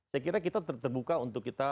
saya kira kita terbuka untuk kita